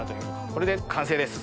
これで完成です。